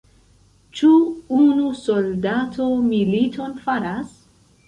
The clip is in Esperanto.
Ĉu unu soldato militon faras?